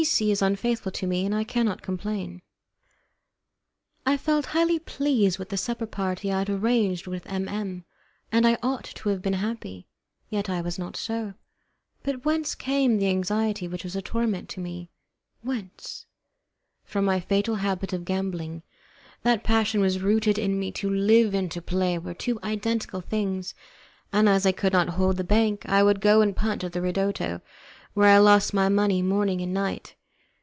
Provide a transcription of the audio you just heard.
C. is Unfaithful to Me, and I Cannot Complain I felt highly pleased with the supper party I had arranged with M M , and I ought to have been happy. Yet I was not so; but whence came the anxiety which was a torment to me? Whence? From my fatal habit of gambling. That passion was rooted in me; to live and to play were to me two identical things, and as I could not hold the bank I would go and punt at the ridotto, where I lost my money morning and night.